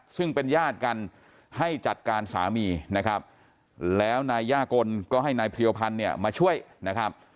ซึ่งเป็นญาติกันให้จัดการสามีนะครับแล้วนายย่ากลก็ให้นายเพรียวพันธ์เนี่ยมาช่วยนะครับ